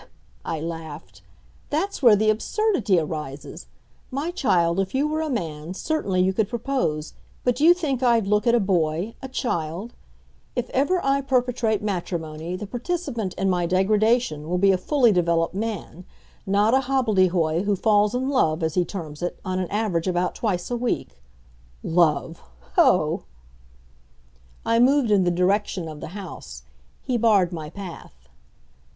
I laughed. "That's where the absurdity arises. My child, if you were a man, certainly you could propose, but do you think I'd look at a boy, a child! If ever I perpetrate matrimony the participant in my degradation will be a fully developed man not a hobbledehoy who falls in love, as he terms it, on an average about twice a week. Love! Ho!" I moved in the direction of the house. He barred my path.